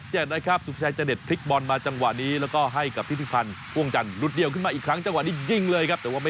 ก็จะทำกากเป็นพอรพฤตของทีมชาติไทยไปลองฟังบางตอนกันครับ